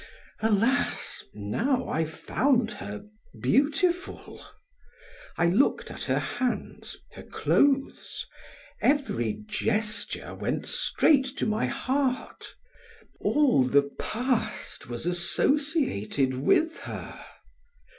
Alas! now I found her beautiful! I looked at her hands, her clothes; every gesture went straight to my heart; all the past was associated with her.